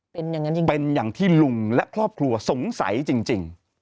เป็นอย่างที่ลุงและครอบครัวสงสัยจริง